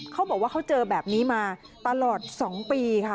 เขาบอกว่าเขาเจอแบบนี้มาตลอด๒ปีค่ะ